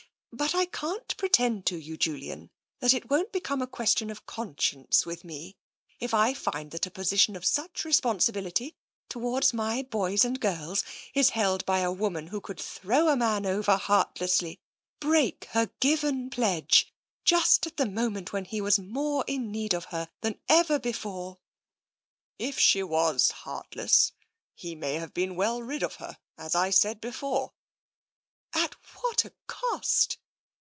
— but I can't pretend to you, Julian, that it won't become a question of con science with me, if I find that a position of such re sponsibility towards my boys and girls is held by a woman who could throw a man over heartlessly, break her given pledge, just at the moment when he was more in need of her than ever before." 50 TENSION "If she was heartless, he may have been well rid of her, as I said before/' " At what a cost